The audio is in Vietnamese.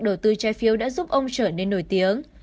đầu tư trái phiếu đã giúp ông trở nên nổi tiếng